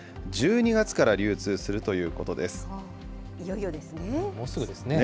１２月から流通するということでいよいよですね。